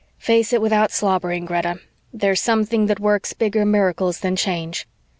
Face it without slobbering, Greta there's something that works bigger miracles than Change."